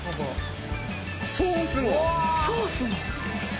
ソースも！